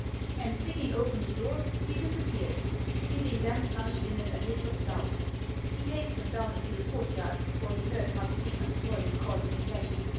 And flinging open the door, he disappeared, leaving them plunged in an abyss of doubt. He hastened down into the courtyard, for he heard Musdcemon's voice calling him back.